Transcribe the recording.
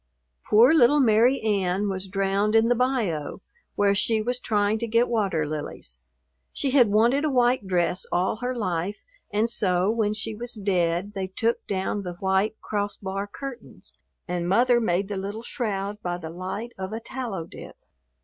Poor little Mary Ann was drowned in the bayou, where she was trying to get water lilies. She had wanted a white dress all her life and so, when she was dead, they took down the white cross bar curtains and Mother made the little shroud by the light of a tallow dip.